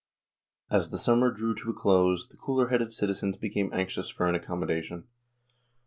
As the summer drew to a close, the cooler headed citizens became anxious for an accommodation.